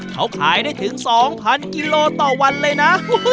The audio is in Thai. เขาขายได้ถึง๒๐๐กิโลต่อวันเลยนะ